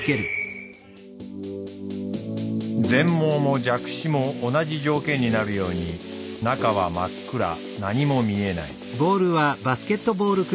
全盲も弱視も同じ条件になるように中は真っ暗何も見えない。